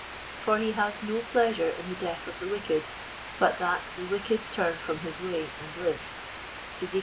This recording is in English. For he has *' no pleasure in the death of the wicked, but that, the wicked (Urn from his way and live," (Ezek.